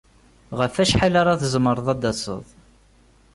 Ɣef wacḥal ara tzemreḍ ad d-taseḍ?